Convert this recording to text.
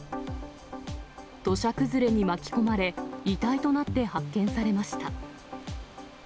土砂崩れに巻き込まれ、遺体となって発見されました。